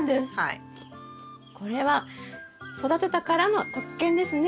これは育てたからの特権ですね。